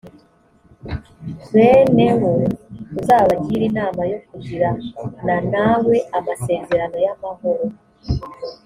bene wo uzabagire inama yo kugirana nawe amasezerano y’amahoro.